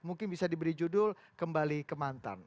mungkin bisa diberi judul kembali kemantan